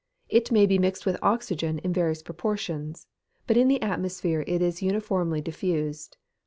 It may be mixed with oxygen in various proportions; but in the atmosphere it is uniformly diffused.